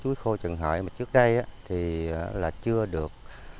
chuối khô trần hợi mà trước đây là chưa được